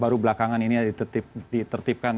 baru belakangan ini ya ditertipkan